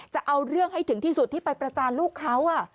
จะเอาเรื่องให้ถึงที่สุดที่ไปประจานลูกเขา